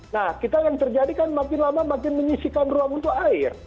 nah kita yang terjadi kan makin lama makin menyisikan ruang untuk air